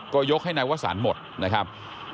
ก็ยกให้นายวสันหมดนะครับ